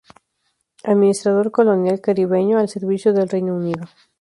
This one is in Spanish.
Administrador colonial caribeño, al servicio del Reino Unido.